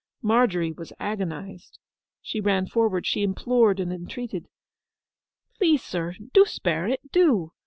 Margery was agonized. She ran forward; she implored and entreated. 'Please, sir—do spare it—do!